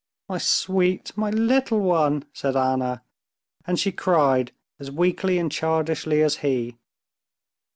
"My sweet, my little one!" said Anna, and she cried as weakly and childishly as he.